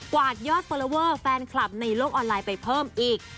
วาดยอดฟอลลอเวอร์แฟนคลับในโลกออนไลน์ไปเพิ่มอีก